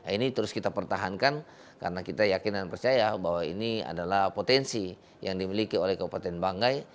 ini terus kita pertahankan karena kita yakin dan percaya bahwa ini adalah potensi yang dimiliki oleh kabupaten banggai